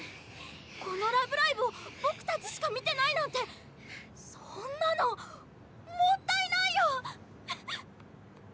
この「ラブライブ！」をボクたちしか見てないなんてそんなのもったいないよ！